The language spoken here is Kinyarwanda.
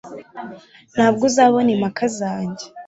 ntabwo uzabona impaka zanjye